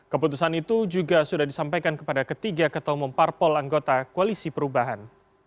keputusan itu juga sudah disampaikan kepada ketiga ketua umum parpol anggota koalisi perubahan